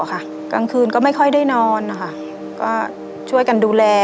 กลางคืนก็ไม่ค่อยได้นอนนะคะก็ช่วยกันดูแล